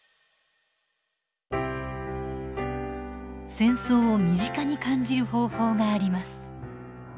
戦争を身近に感じる方法があります。